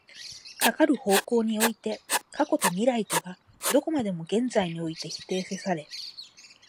かかる方向において過去と未来とがどこまでも現在において否定せられ、